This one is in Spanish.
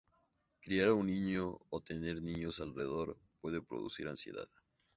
Criar a un niño o tener niños alrededor puede producir ansiedad.